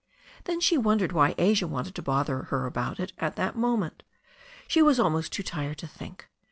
Then she wondered why Asia wanted to bother her about it at that moment. She was almost too tired to think.